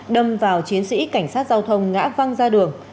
đâm vào chiến sĩ cảnh sát giao thông ngã văng ra đường